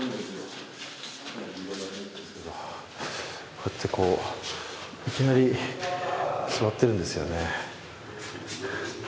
こうやって、いきなり座ってるんですよね。